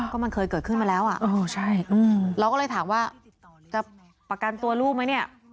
ก็มันเคยเกิดขึ้นมาแล้วอ่ะใช่เราก็เลยถามว่าจะประกันตัวลูกไหมเนี่ย